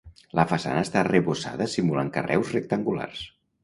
La façana està arrebossada simulant carreus rectangulars.